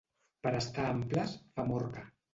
Per estar amples, Famorca.